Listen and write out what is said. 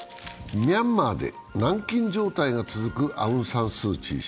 ミャンマーで軟禁状態が続くアウン・サン・スー・チー氏。